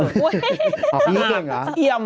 อ๋อแย่งเหรออ๋อแย่งเหรอใช่